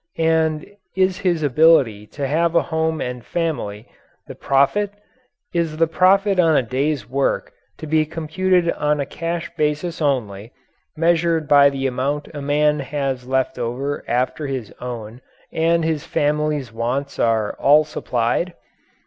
And is his ability to have a home and family the "profit"? Is the profit on a day's work to be computed on a cash basis only, measured by the amount a man has left over after his own and his family's wants are all supplied?